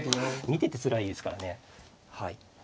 見ててつらいですからね。